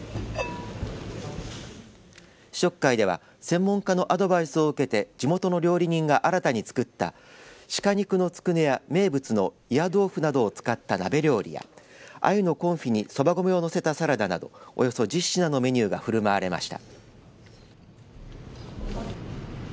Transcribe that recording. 試食会では専門家のアドバイスを受けて地元の料理人が新たに作ったシカ肉のつくねや名物の祖谷どうふなどを使った鍋料理やあゆのコンフィにそば米をのせたサラダなどおよそ１０品などのメニューが振る舞われました。